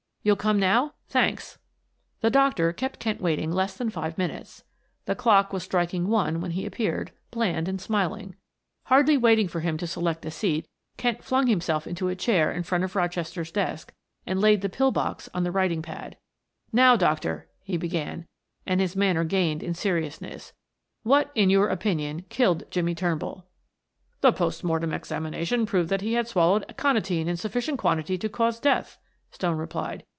You'll come now? Thanks." The doctor kept Kent waiting less than five minutes. The clock was striking one when he appeared, bland and smiling. Hardly waiting for him to select a seat Kent flung himself into a chair in front of Rochester's desk and laid the pill box on the writing pad. "Now, doctor," he began, and his manner gained in seriousness, "what, in your opinion, killed Jimmie Turnbull?" "The post mortem examination proved that he had swallowed aconitine in sufficient quantity to cause death," Stone replied.